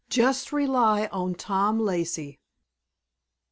Just rely on Tom Lacey."